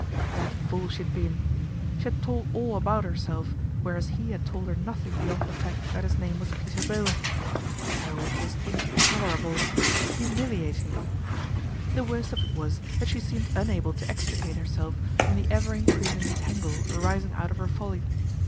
What a fool she had been. She had told all about herself, whereas he had told her nothing beyond the fact that his name was Peter Bowen. Oh, it was intolerable, humiliating ! The worst of it was that she seemed unable to INTERVENTION OF AUNT ADELAIDE 87 extricate herself from the ever increasing tangle arising out of her folly.